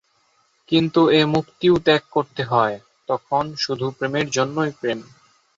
কিন্তু এ মুক্তিও ত্যাগ করতে হয়, তখন শুধু প্রেমের জন্যই প্রেম।